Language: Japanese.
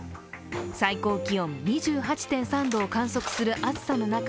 最高気温２８．３度を観測する暑さの中